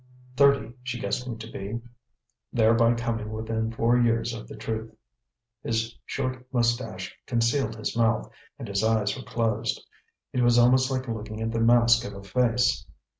Thirty she guessed him to be, thereby coming within four years of the truth. His short mustache concealed his mouth, and his eyes were closed. It was almost like looking at the mask of a face.